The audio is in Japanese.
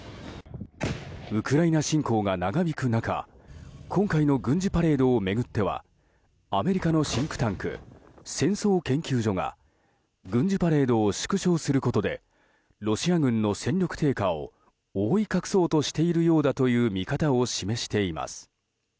ウクライナ侵攻が長引く中今回の軍事パレードを巡ってはアメリカのシンクタンク戦争研究所が軍事パレードを縮小することでロシア軍の戦力低下を覆い隠そうとしているようだという見方を示しています。